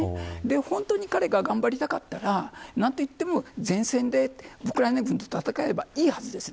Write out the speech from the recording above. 本当に彼が頑張りたかったら前線でウクライナ軍と戦えばいいはずです。